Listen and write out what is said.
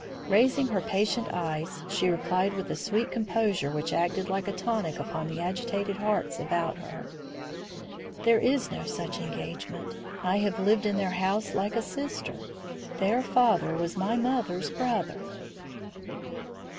Raising her patient eyes, she replied with a sweet composure which acted like a tonic upon the agitated hearts about her: "There is no such engagement. I have lived in their house like a sister. Their father was my mother's brother."